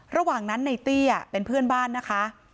ระหว่างนั้นในเตี้ยเป็นเพื่อนบ้านนะคะ